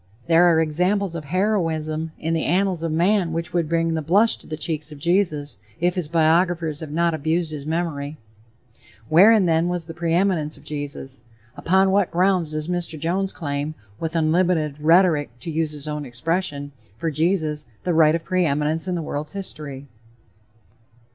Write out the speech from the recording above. There are examples of heroism in the annals of man which would bring the blush to the cheeks of Jesus, if his biographers have not abused his memory. Wherein, then, was the "preeminence" of Jesus? Upon what grounds does Mr. Jones claim, with "unlimited rhetoric," to use his own expression, for Jesus "the right of preeminence in the world's history?"